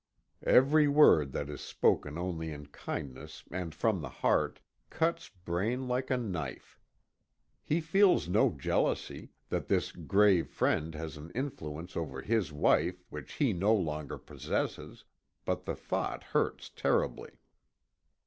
Every word that is spoken only in kindness and from the heart, cuts Braine like a knife. He feels no jealousy, that this grave friend has an influence over his wife which he no longer possesses, but the thought hurts terribly.